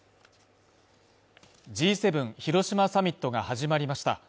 Ｇ７広島サミットが始まりました。